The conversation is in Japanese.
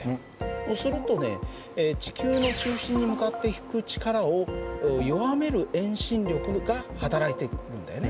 するとね地球の中心に向かって引く力を弱める遠心力が働いているんだよね。